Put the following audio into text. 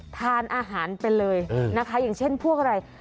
ทานอาหารไปเลยนะคะอย่างเช่นพวกอะไร